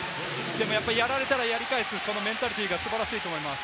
やられたら、やり返す、このメンタリティーが素晴らしいと思います。